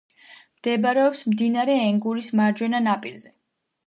მდებარეობს მდინარე ენგურის მარჯვენა ნაპირზე.